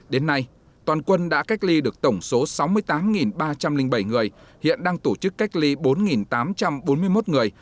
đến nay toàn quân đã cách ly được tổng số sáu mươi tám ba trăm linh bảy người hiện đang tổ chức cách ly bốn tám trăm bốn mươi một người